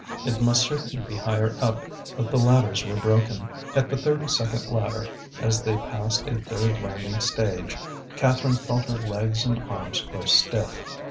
It must certainly be higher up that the ladders were broken. At the thirty second ladder, as they passed a third landing stage, Catherine felt her legs and arms grow stiff.